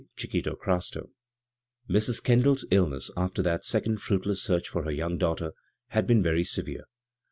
b, Google CHAPTER XVII MRS. KENDALL'S illness after that second fruitless search for her young daughter had been very se vere.